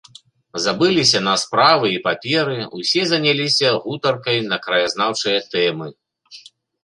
Забыліся на справы і паперы, усе заняліся гутаркай на краязнаўчыя тэмы.